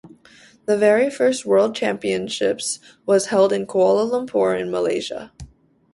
The very first World Championships was held in Kuala Lumpur in Malaysia.